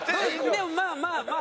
でもまあまあまあ。